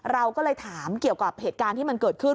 เราก็เลยถามเกี่ยวกับเหตุการณ์ที่มันเกิดขึ้น